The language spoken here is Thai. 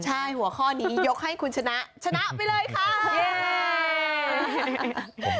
ใช่หัวข้อนี้ยกให้คุณชนะชนะไปเลยค่ะ